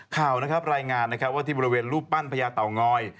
ข่าวนะครับรายงานนะครับว่าที่บริเวณรูปปั้นพญาเต่างอย